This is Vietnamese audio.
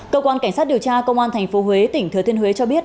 cơ quan cảnh sát điều tra công an tp huế tỉnh thừa thiên huế cho biết